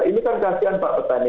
ini kan kasihan pak petani